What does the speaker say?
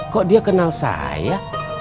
kok dia kenal saya